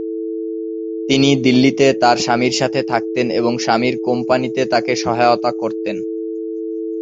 তিনি দিল্লিতে তার স্বামীর সাথে থাকতেন এবং স্বামীর কোম্পানিতে তাকে সহায়তা করতেন।